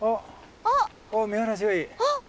あっ。